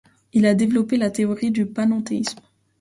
Il a développé la théorie du panenthéisme.